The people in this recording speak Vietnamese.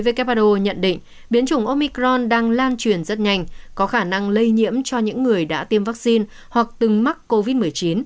who nhận định biến chủng omicron đang lan truyền rất nhanh có khả năng lây nhiễm cho những người đã tiêm vaccine hoặc từng mắc covid một mươi chín